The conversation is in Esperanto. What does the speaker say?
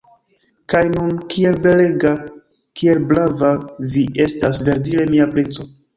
Kaj nun kiel belega, kiel brava vi estas, verdire, mia princo!